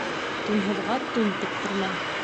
Тунһыҙға тун тектермә.